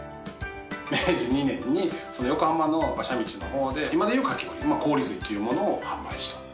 明治２年に、横浜の馬車道のほうで、今でいうかき氷、氷水というものを販売した。